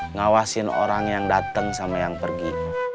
ngawasin orang yang datang sama yang pergi